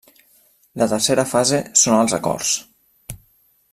La tercera fase són els acords.